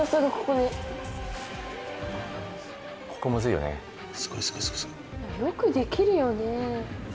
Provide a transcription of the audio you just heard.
よくできるよね。